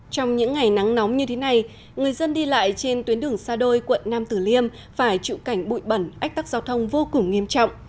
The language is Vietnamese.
trong những ngày nắng nóng như thế này người dân đi lại trên tuyến đường sa đôi quận nam tử liêm phải chịu cảnh bụi bẩn ách tắc giao thông vô cùng nghiêm trọng